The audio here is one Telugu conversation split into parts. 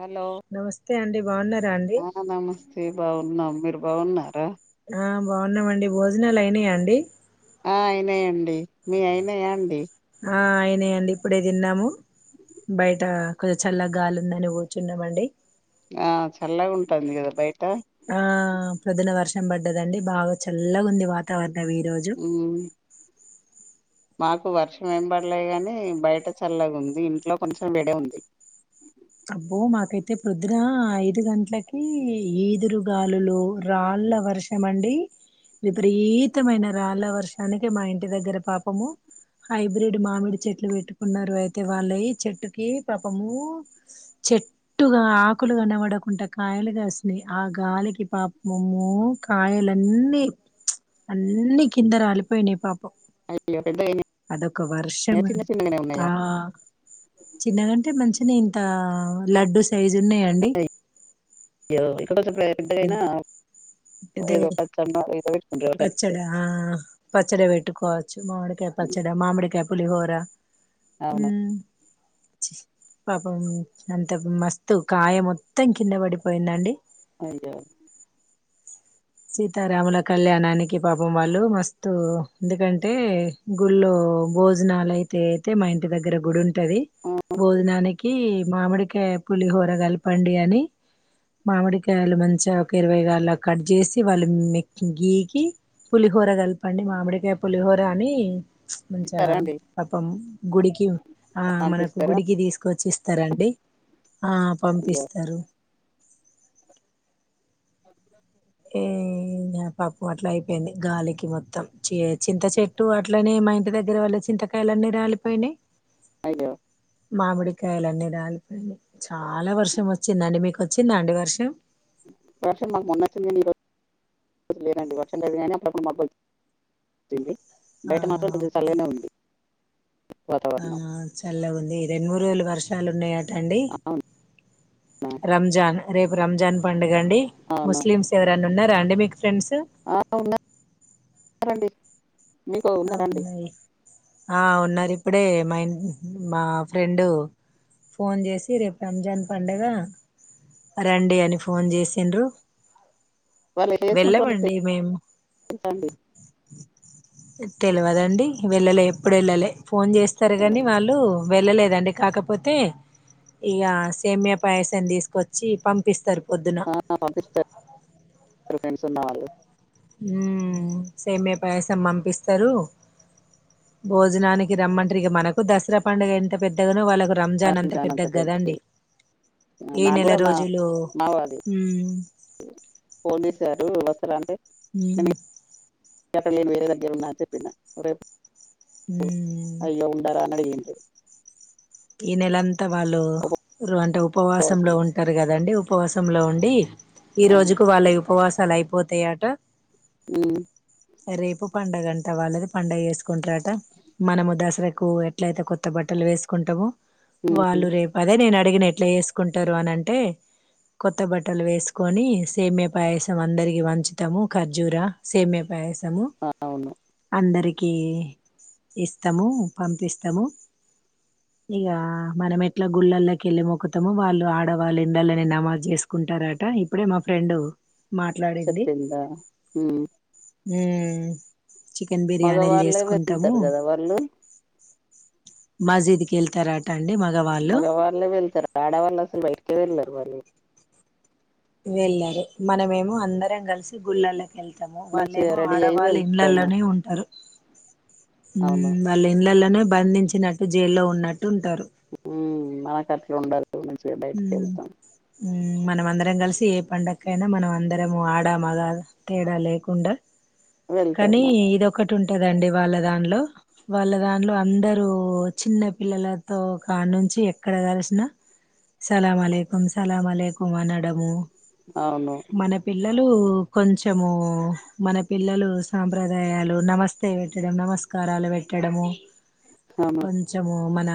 హలో నమస్తే అండి బాగున్నారా అండి అ బాగున్నాం మీరు బాగున్నారా ఆ బాగున్నామండి భోజనాలు అయినాయా అండి ఆ అయినాయండి మీ అయినాయా అండి ఆ అయినా అండి ఇప్పుడే తిన్నాము బయట కొచ చల్లగా గాలి ఉందని కూర్చున్నామండి ఆ చల్లగా ఉంటది కదా బయట ఆ పొద్దున వర్షం పడ్డదండి బాగా చల్లగా ఉంది వాతవరణం ఈ రోజు ఉమ్, మాకు వర్షం ఏం పడలే గాని బయట చల్లగా ఉంది ఇంట్లో కొంచెం వేడ ఉంది. అబ్బో మాకైతే పొద్దున ఐదు గంటలకి ఈదురుగాలులు, రాళ్ళ వర్షం అండి. విపరీతమైన రాళ్ల వర్షానికి మా ఇంటి దగ్గర పాపము హైబ్రిడ్ మామిడి చెట్లు పెట్టుకున్నారు అయితే వాళ్లయి చెట్టుకి పాపము. చెట్టుగా ఆకులుగానబడకుండా కాయలుగాసినాయి ఆ గాలికి పాపమము కాయలున్నిీ అన్నిీ కింద రాలిపోయినాయి పాప! అయ్యో పెద్దగా అదొక వర్షం చిన్న అండి చిన్నగానే ఆ ఉన్నాయా చిన్నగాంటే మంచి నేండి అ లడ్డుూ సైజు ఉన్నాయా అండి. అయ్యో కొంచెం పెద్దదైన అయినా ఇదే [unintelligible] పచ్చడా ఆ పచ్చడి వెట్టుకోవచ్చు మామిడికాయ పచ్చడి మామిడికాయ. పులిహోర అవును ఉమ్, పాపం అంతకు మస్తు కాయ మొత్తం కింద పడిపోయిందండి. అయ్యో సీతారాముల కళ్యాణానికి పాపం వాళ్ళు మస్తు ఎందుకంటే గుడ్ లో భోజనలైతే అయితే మా ఇంటి దగ్గర గుడిం టది ఆ, బోజనానిక్ కి మామిడికాయ పులిహోర కలపండి అని మామిడికాయలు మంచిగా ఒక ఇరవైగాల కట్ చేసి. వాళ్ళు మెక్ గీకి పులిహోర కలపండి మామిడికాయ పులిహోరా అనీ? మంచిగా ఇస్తారా అండి పాపం గుడికి ఆ మనకు పంపిస్తారా గుడికి తీసుకొచ్చి ఇస్తారండి ఆ అయ్యో పంపిస్తారు. అఓ ఏ ఆ పప్పు అట్ల అయిపోయింది గాలికి మొత్తం చేద్ చింతచెట్టు అట్లనే మై ఇంటి దగ్గర వాళ్ళ చింతకాయలన్ని రాలిపోయినయి. అగో మామిడికాయలన్నీ రాలిపోనై చాలా వర్షం వచ్చిందండి మీకు వ చిందండి వర్షం వషన్ మాకు మొన్న వచ్చింది కాని ఈరోజు లేనండి వర్షన్ కానీ అప్పుడప్పుడు మబ్బు ఐతుంది ఆ ఆ వాతావరణం చల్లగుంది రెండు మూడు రోజులు వర్షాలు ఉన్నాయాట అండి అవునా రంజాన్. రేపు రంజన్ పండ గండి అవును ముస్లిమ్స్ ఎవరన్నా ఉన్న అండమిక్ ఆ ఉన్నా రండి మీకుగున్నారంండి అవున్నాయి ఆ ఉన్నారు ఇప్పుడే మా మా ఫ్రెండు ఫోన్ చేసి రేపు రంజాన్ పడుగ రండి అని ఫోన్ చేసిండ్రు. వాళ్ళు చేస్తుంటారో మీకు వెళ్ళమండి మేము తెలుసా అండి తెల్వదండి వెళ్లలే ఎప్పుడెళ్ళలె. ఫోన్ చేస్తారు గాని వాళ్ళు వెళ్ళలేదు [unintelligible] కాకపోతే ఇక సేమ్య పాయసాన్ని తీసుకొచ్చి పంపిస్తారు పొద్దున ఆ పంపిస్తారు ఫ్రెండ్స్ ఉన్నా వాళ్ళు ఉ సేమే పాయసం పంపిస్తారు భోజనానికి రమ్మంటారు ఇక మనకు దసరా పండుగ ఎంత పెద్దగానో వాళ్ళ రంజాన్ అంత పెద్దది కదాండి ఏ నాకు నెల కూడా మా రోజులు పోలీస్ గారు ఉమ్ [unintelligible] కాపిటల్ ఏ వేరేదని ఏమన్నా చెప్పిండా [unintelligible] ఓ ఉమ్ అయ్యో ఉండారానడిగింద్ ఈ నెలంతా వాళ్ళు ఉర్ అంటే ఉపవాసంలో ఉపవాసం ఉంటార్ గదండి ఉప్ పవసంలో ఉండి ఈ అవును రోజుకు వాళ్ళయి ఉపవాస్ అసలు అయిపోతయట ఉమ్ రేపు పండగంట వాళ్ళది పండుగ ఎసుకుంట్రట. మనము దసర కు ఎట్లయితే కొత్త బట్టలు వేస్ కుంటమో ఉమ్, వాళ్ళు రేపదే నేన్ అడిగిన ఎట్లా ఎసుకుంటారు అనంటే. కొత్త బట్టలు వేసుకొని సేమ్యా పాయసం అందరికి పంచుతాము ఖర్జూర సేమ్యా పాయసం తము అవును అందరికి కీ ఇస్తాము పంపిస్తాము ఇగా మనం ఎట్ల గుళ్ళల్లకెళ్ళి మొక్కుతమో వాళ్ళు ఆడవాళ్ళు ఇండ్లల్లనే నమాజ్ చేసుకుంటరట ఇప్పుడే మా ఫ్రెండు చెప్పిందా హ్మ ఉ మ్ మగవాళ్ళే వెళ్తారు కదా వాళ్ళు మాజీదికి ఎల్థారట మగవాళ్ళే వెళ్తరు ఆడవాళ్ళసలు బయటికే వెళ్ళరు వాళ్ళు వెళ్ళరు మనమేమో అందరం కలిసి గుళ్ళల్లకెల్తం మొత్తం మంచిగా వాళ్ళేమో రెడీ అయి ఆడవాళ్ళు వెళ్తాము ఇండ్లలానే ఉంటారు అవును ఉమ్ వాళ్ళింట్ల ను బంధించినట్టు జైల్లో ఉన్నట్టు ఉంటారు మ్ నాకట్లా ఉండదు మంచిగ బయటకి వెళ్తాం హ్మ్ మనంమందరం కలిసి ఏ పండక్కైన మనం అందరము ఆడా మగ తేడా లేకుండ కనీ వెళ్తాము ఇదొకటి ఉంటద్ దండి వాళ్ళ దాన్లో వాళ్ళ దాన్లో అందరూ చిన్న పిల్లలతో కానుంచి ఎక్కడ కల్షిన సలామాలేకుం సలామాలేకుం వ్ అనడము అవును మన పిల్ల ళ్ళు కొంచెము మన పిల్లలు సాంప్రదాయాలు నమస్తే పెట్టడం నమస్కారాలు పెట్టడము అవును కొంచము మన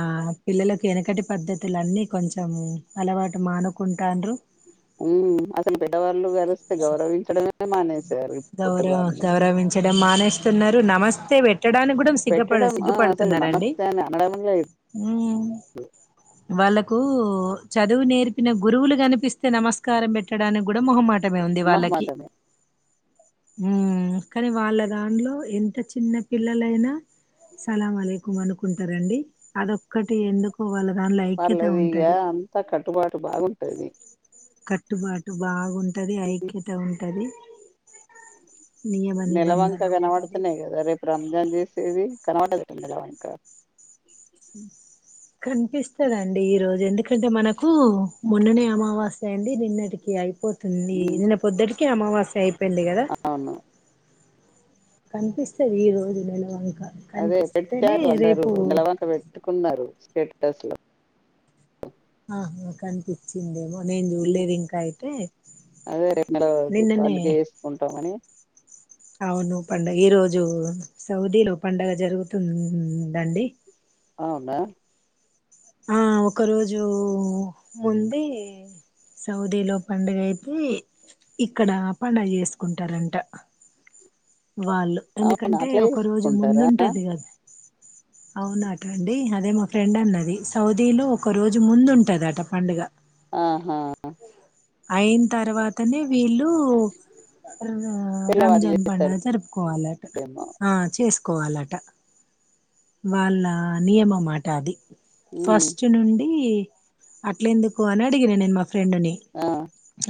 పిల్లలకి ఎనుకటి పద్ధతులన్ని కొంచెము అలవాటు మానుకుంటాండ్రు ఉ అసలు పెడవాళ్ళు కరిస్తే గౌరవించడమే మానేసారు ఇప్పటి వాళ్ళు డం మానేస్తున్నారు నమస్తే బెట్ ట్టడానికి కూడా సిగ్గప పెట్టడం ఆ అసలు సిగ్గుపడుతున్నారండి. నమస్తే అని అనడం లేదు వాళ్ళకు చదువు నేర్పిన గురువులు కనిపిస్తే నమస్కారం పెట్టడానికి కూడా మొహ మాట మే ఉంది వాళ్ళకి మొహమాటమే హ్మ్ కానీ వాళ్ళ దాంట్లో ఎంత చిన్న పిల్లలైనా సులాంవాలేకుం అనుకుంటరండి అదొక్కటి ఎందుకు వాళ్ళ దానిలో ఐక్యత పర్లేదు ఇగా ఉంటది అంతా కట్ ట్టుబాటు బాగుంటది కట్టుబాటు బాగు ఉంటది ఐక్యత ఉంటది నియమ నెలవంక నిబంధన ఉంటది కనబడతనే కదా రేపు రంజాన్ జేసు ది కనవడ్డదట నెలవంక కనిపిస్తదండి ఈ రోజు ఎందుకంటే మనకు మొన్ననే అమావాస్య అయింది నిన్నటికి అయిపోత తుంది ఉమ్ నిన్న పొద్దుటి కె అమమావాస్య అయి అవును కనిపిస్తది ఈ రోజు నెల వం అదే పెట్టారు అందరు నెలవంక పెట్టుకున్నారు స్టేటస్లో ఆహా కనిపిచ్చిందేమో ఉ అదే రేపు మరే నిన్ననే పందుగే వేసుకుంటామని అవును పండగ ఈ రోజు సౌదీలో పండగ జరుగుతుం వద్దండి. అవునా ఆ ఒక రోజు ముందే సౌదీలో పండగ అయితే ఇక్కడ పండగ చేసుకుంటారంట. వాళ్ళు అవునా ఎందుకంటే అట్లా ఒక రోజు చేసుకుంటారా ముందుంటది. కదా అవునాట అండి. అదే మా ఫ్రెండ్ అన్నది సౌదీలో ఒక రోజు ముందు ఉంటదట పండుగ. ఆహా ఆ ఐన్ తర్వాత నే వీళ్ళూ అ తెల్లవారి రంజాన్ పండగా చేస్తారేమో జరుపుకోవాలట ఆ చిప్ చేసుకోవాలట వాళ్ళ నియమ మాట అది ఉమ్ ఫస్ట్ నుండి అట్ల ఎందుకు అని అడిగిన నేను మా ఫ్రెండుని ఆ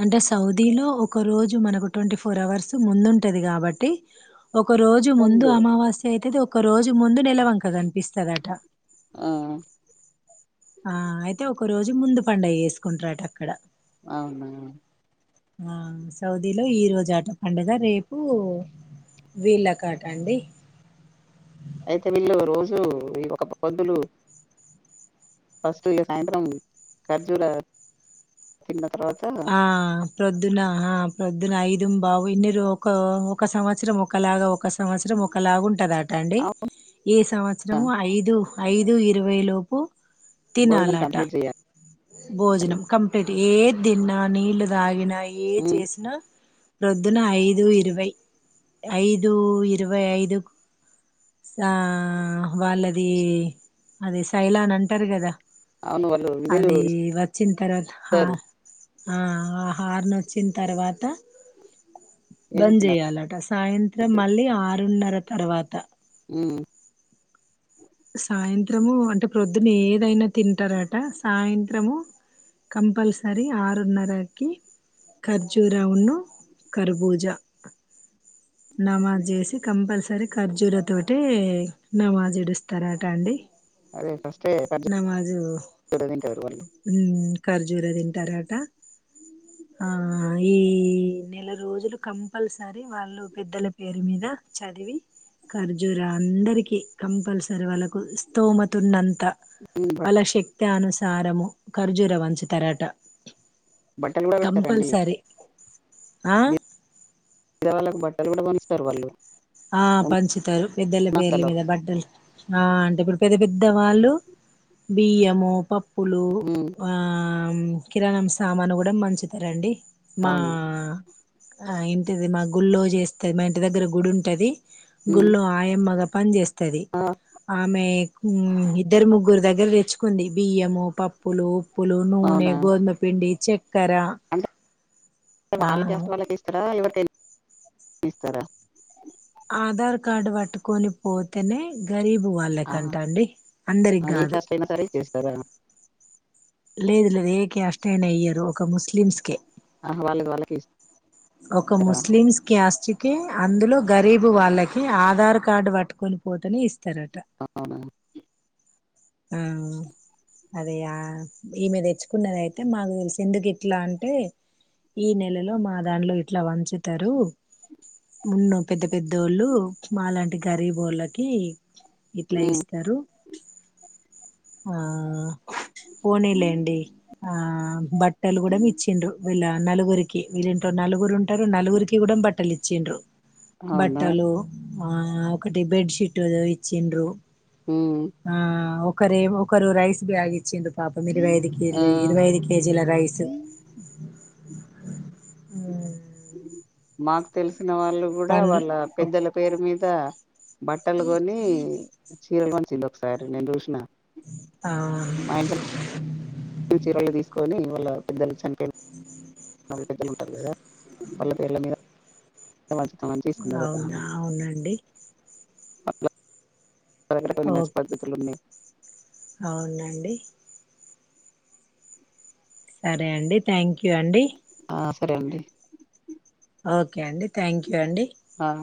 అంటే సౌదీలో ఒక రోజు మనకు ట్వంటీ ఫోర్ అవర్స్ ముందుంటుంది. కాబట్టి ఒక రోజు ముందు అమావాస్య అయితది. ఒ ఒక రోజు ముందు నెలవంక కనిపిస్తదట. ఆ అయితే ఒక రోజు ముందు పండగ చేేసుకుంటార్ట అక్కడ అవునా ఆ సౌదీలో ఈ రోజు ఆట పండుగ రేపు వీళ్ళకాట అండి. అయితే వీళ్ళు రోజూ ఈ ఒక్క పొద్దులు ఫస్ట్ సాయంత్రం ఖర్జూర తిన్న తర్వాత ఆ ప్రొద్దునా ఆ ప్రొద్దున ఐదు ఐదు బావు ఇన్ని ఒక ఒక సంవత్సరం ఒకలాగా ఒక సంవత్సరం ఒకలాగా ఉంటదటా. రండి. ఆ ఈ సంవత్సరము ఐదు ఐదు ఇరవైలోపు భోజనం తినాలాట కంప్లీట్ చేయాలి భోజనం కంప్లీట్. ఏంది తిన్న నీళ్ళు తాగినా ఏ ఉమ్ జేసినా పోద్దున ఐదు ఇరవై, ఐదు ఇరవై ఐదు కు వాళ్ళది అది సైలా అన్ అంటారు. కదా అవును వాళ్ళు విధులు అది వచ్చిన్ తర్వాత ఆ ఇస్తారు ఆ ఆహార్న్ వచ్చిన తర్వాత ఏమి బంద్ తిన్నారు చేయాలట, సాయంత్రం మళ్ళీ ఆరు ఆరున్నర తర్వాత హ్మ్ సాయంత్రము అంటే ప్రొద్దున ఏదైనా తింటారట సాయంత్రము కంపల్సరీ ఆరున్నరకి ఖర్జూరౌన్ను కర్బూజ నమాజ్ చేసి కంపల్సరీ ఖర్జూర తోటి నమాజ్ ఇడుస్తారట అండి అదే ఫస్టీ [unintelligible] మ్ ఖర్జూర తింటారట ఆ ఈ నెల రోజులు కంపల్సరి వాళ్ళు పెద్దల పేరు మీద చదివి ఖర్జూర అందరికి కంపల్సరి వాళ్ళకు స్తోమతున్న క ఉమ్ బట్- వాళ్ళ శక్ త్యానుసారము కర్జూర వంచి తరాట బట్టలు గుడా పెడతారండి ఆ బీద వాళ్ళకు బట్టలు కూడా కొంచస్తారు వాళ్ళు ఆ ఉన్న పంచుతారు పెద్దల పేర్ల సంస్థలో మీద బట్టలు ఆ అంటే ఇప్పుడు పెద్ద పెద్ద వాళ్ళు బియ్యము పప్పు పులు హ్మ్. ఆ అమ్ కిరాణం సామాను గుడా మంచుతారండి మా అవును. ఆ ఇంటిది మా గుళ్ల్లో చేస్తది మా ఇంటి దగ్గర గుడి అంటది హ్మ్. గుడిలో ఆయమ్మగా పని చేస్త తాది ఆ! ఆమె ఇద్దరు ముగ్గుర దగ దగ్గర తెచ్చుకుంది బియ్యము పప్పులు పప్పులు నూనె అవునా? గోధిమపిండి చక్కర వాళ్ళక్యాస్ట్ వాళ్ళకి ఇస్తారా ఎవరికైనా ఇస్తారా ఆధార్ కార్డు పట్టుకొని పోతేనే గరీబ్ ఆహా! వాళ్ళేకంటా అండి అందరికి ఏ గాదు క్యాస్ట్ అయినా సరే న్ లేదు లేదు ఏ క్యాస్ట్ టైన ఇయ్యారు ఒక ముస్లిమ్స్కే ఆహా! వాళ్ళది వాళ్ళకే ఒక ఇస్తారా? ముస్లిమ్స్ కాస్ట్ కే అందులో గరీబ్ బు వాళ్ళకే ఆధార్ కార్డు పట్టుకొని పోతనే ఇస్ త్తరట అవునా? ఊ అది ఆ ఈమెద దెచ్చుకున్నదియితే మాకు దెల్సి ఎందుకు ఇట్లా అంటే. ఈ నెలలో మా దాంట్లో ఇట్లా వంచుతారు మున్న పెద్ద పెద్దోళ్ళు మాలాంటి గరీబోళ్ళకి ఇట్లా హ్మ్. ఇస్తారు ఆ పోనీలేండి ఆ బట్టలు గుడా ఇచ్చిండ్రు వీళ్ళ నలుగురి వీళ్ళింట్లో నలుగురు ఉంటరు నలుగురికి కూడా బట్టలు ఇచ్చిండ్రు అవునా? బట్టలు ఆ ఒకటి బెడ్షీట్ ఇచ్చిండ్రు హ్మ్. ఆ ఒకరే ఒకరు రైస్ బ్యాగ్ ఇచ్చిండ్రు పాపం ఇరువై ఐదు కె ఆ! ఇరువైఐదు కేజీల రైస్ హ్మ్మ్ మాకు తెలిసి వ వాళ్ళు కూడా పండ్లు వాళ్ళ పెద్దల పేరు మీద త బట్టలు కొని చీర కొని కిందఒక సారి నె జూసిన అ చీరలు తీసుకొని వాళ్ళ పెద్దలు చనిపో బట్టలు [unintelligible] పెట్టుకుంటాం గదా వాళ్ళ పేర్లమీద అవునా అవునండి దర కొన్ని ఓ మంచి పద్ధతులు ఉన్నాయి అవునండి సరే అండి థ్యాంక్ యూ అండి ఆ సరే అండి ఓకే అండి థాంక్యూ అండి ఆ